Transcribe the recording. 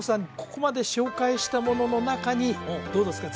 ここまで紹介したものの中にどうですか？